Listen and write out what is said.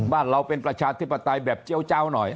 บ้านเราเป็นประชาธิปไตยแบบเจี๊ยวเจ้าหน่อย